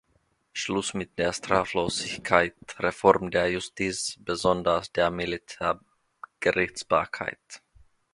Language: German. Schluss mit der Straflosigkeit, Reform der Justiz, besonders der Militärgerichtsbarkeit!